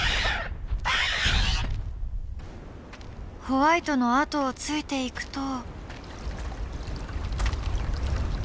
ホワイトの後をついていくと。